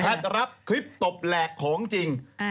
เพลฟต์รับคลิปตบแหลกโขงจริง